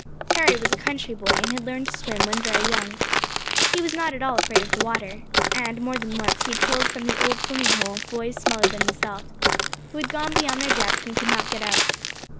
Harry was a country boy, and had learned to swim when very young. He was not at all afraid of the water, and, more than once, he had pulled from "the old swimming hole," boys smaller than himself, who had gone beyond their depth, and could not get out.